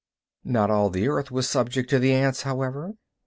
Not all the earth was subject to the ants, however.